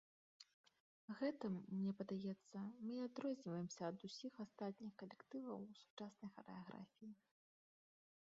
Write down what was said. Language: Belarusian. Гэтым, мне падаецца, мы і адрозніваемся ад усіх астатніх калектываў сучаснай харэаграфіі.